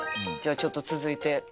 じゃあちょっと続いて。